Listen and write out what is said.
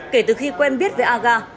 kể từ khi quen biết về aga